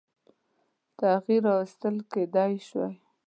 تغییر راوستل کېدلای شوای.